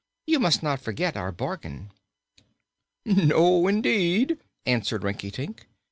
"You must not forget our bargain." "No, indeed," answered Rinkitink.